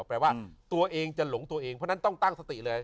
แปลว่าตัวเองจะหลงตัวเองเพราะฉะนั้นต้องตั้งสติเลย